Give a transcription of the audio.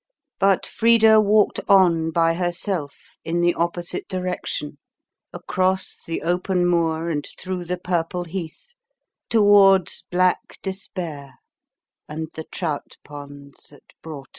But Frida walked on by herself, in the opposite direction, across the open moor and through the purple heath, towards black despair and the trout ponds at Broughton.